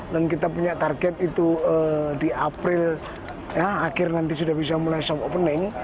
dan kita punya target itu di april akhir nanti sudah bisa mulai shop opening